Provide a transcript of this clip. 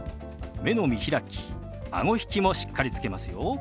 目の見開きあご引きもしっかりつけますよ。